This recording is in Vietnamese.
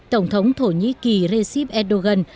tổng thống thổ nhĩ kỳ recep erdogan